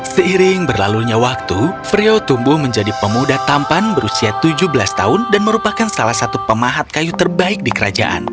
seiring berlalunya waktu freo tumbuh menjadi pemuda tampan berusia tujuh belas tahun dan merupakan salah satu pemahat kayu terbaik di kerajaan